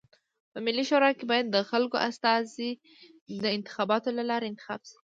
په ملي شورا کي بايد د خلکو استازي د انتخاباتو د لاري انتخاب سی.